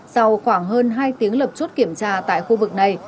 sau khoảng hơn hai tiếng lập chốt kiểm tra tại khu vực này